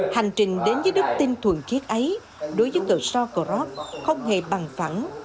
hành trình đến với đức tinh thuần thiết ấy đối với cờ so krop không hề bằng phẳng